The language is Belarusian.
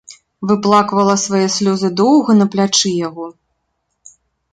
Выплаквала свае слёзы доўга на плячы яго.